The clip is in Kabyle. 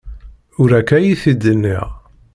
Ur akka ay t-id-nniɣ.